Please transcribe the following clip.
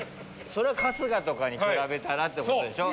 それは春日とかに比べたらってことでしょ。